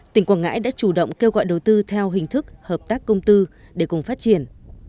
tỉnh quảng ngãi đã chủ động kêu gọi đầu tư theo hình thức hợp tác công tư để cùng phát triển